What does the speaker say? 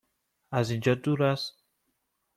از اینجا دور است؟